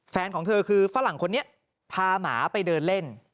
ของเธอคือฝรั่งคนนี้พาหมาไปเดินเล่น